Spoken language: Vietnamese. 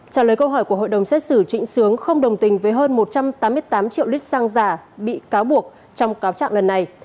trả lời câu hỏi của hội đồng xét xử trịnh sướng không đồng tình với hơn một trăm tám mươi tám triệu lít xăng giả bị cáo buộc trong cáo trạng lần này